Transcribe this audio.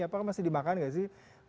apakah masih dimakan nggak sih